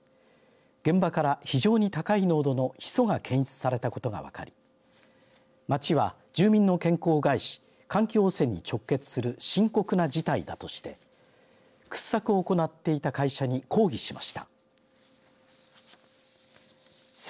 蘭越町の山中で先月下旬から蒸気が噴出している問題で現場から非常に高い濃度のヒ素が検出されたことが分かり町は住民の健康を害し環境汚染に直結する深刻な事態だとして掘削を行っていた会社に抗議しました。